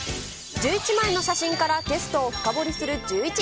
１１枚の写真からゲストを深掘りするジューイチ。